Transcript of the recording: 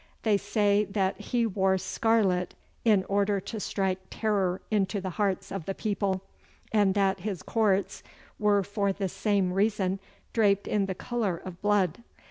They say that he wore scarlet in order to strike terror into the hearts of the people, and that his courts were for the same reason draped in the colour of blood.